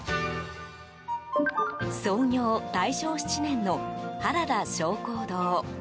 創業大正７年の原田晶光堂。